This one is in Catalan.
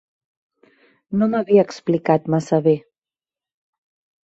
No m'havia explicat massa bé.